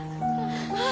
あ！